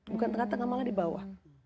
bukan tengah tengah malah di bawah